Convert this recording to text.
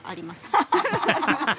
アハハハハ！